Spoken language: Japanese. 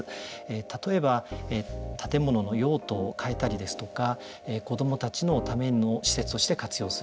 例えば、建物の用途を変えたりですとか子供たちのための施設として活用する。